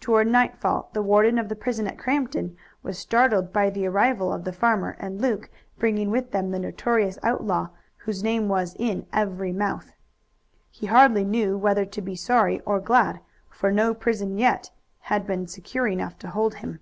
Toward nightfall the warden of the prison at Crampton was startled by the arrival of the farmer and Luke bringing with them the notorious outlaw whose name was in every mouth. He hardly knew whether to be sorry or glad, for no prison yet had been secure enough to hold him.